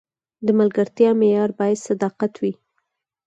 د ملګرتیا معیار باید صداقت وي.